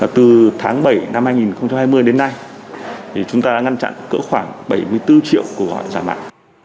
từ tháng bảy năm hai nghìn hai mươi đến nay chúng ta đã ngăn chặn cỡ khoảng bảy mươi bốn triệu cuộc gọi giả mạo